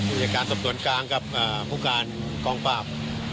พุทธการศัพท์สวรรค์กลางกับพวกการกองฟาพ